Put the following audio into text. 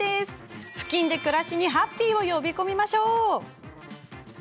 ふきんで暮らしにハッピーを呼び込みましょう。